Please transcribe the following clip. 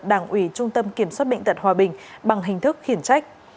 đảng ủy trung tâm kiểm soát bệnh tật hòa bình bằng hình thức khiển trách